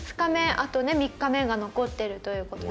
あとね３日目が残っているという事で。